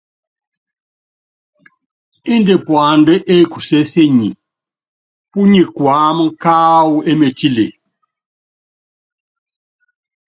Índɛ puandá ékusésenyi, púnyi kuáma káwɔ émetile.